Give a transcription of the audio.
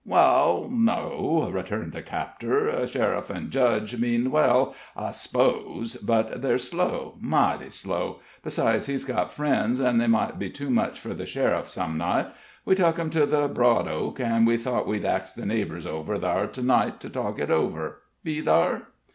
"Well, no," returned the captor. "Sheriff an' judge mean well, I s'pose; but they're slow mighty slow. Besides, he's got friends, an' they might be too much fur the sheriff some night. We tuk him to the Broad Oak, an' we thought we'd ax the neighbors over thar to night, to talk it over. Be thar?"